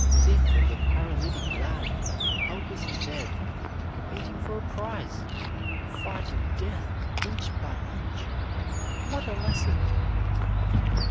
Think of the paralytic lad, helpless in bed, competing for a prize, fighting death inch by inch! What a lesson!